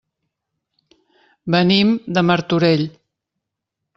Venim de Martorell.